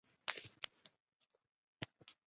杜拜喷泉的表演曲目目前还在增加中。